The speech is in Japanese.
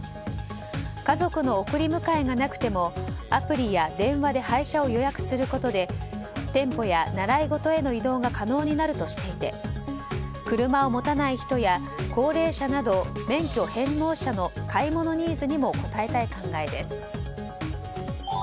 家族の送り迎えがなくともアプリや電話で配車を予約することで店舗や習い事への移動が可能になるとしていて車を持たない人や高齢者など免許返納者の買い物ニーズにも応えたい考えです。